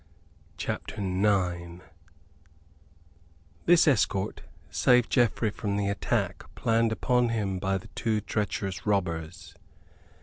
CHAPTER IX This escort saved Geoffrey from the attack planned upon him by the two treacherous robbers.